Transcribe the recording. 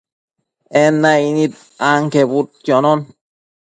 En naicnid anquebudquionon